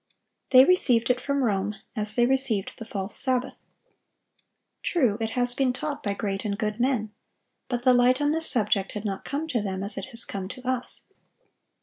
They received it from Rome, as they received the false sabbath. True, it has been taught by great and good men; but the light on this subject had not come to them as it has come to us.